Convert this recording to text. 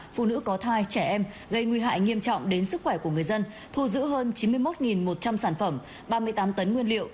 phụ nữ có thai trẻ em gây nguy hại nghiêm trọng đến sức khỏe của người dân thu giữ hơn chín mươi một một trăm linh sản phẩm ba mươi tám tấn nguyên liệu